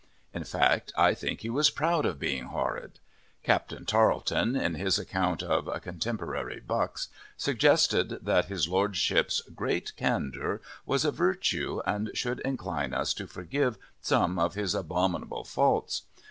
In fact, I think he was proud of being horrid. Captain Tarleton, in his account of Contemporary Bucks, suggested that his Lordship's great Candour was a virtue and should incline us to forgive some of his abominable faults.